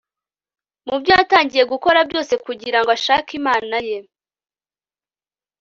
mu byo yatangiye gukora byose kugira ngo ashake imana ye